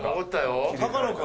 高野君？